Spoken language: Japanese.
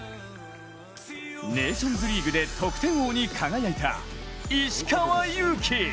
ネーションズリーグで得点王に輝いた、石川祐希。